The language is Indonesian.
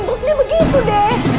terus dia begitu mak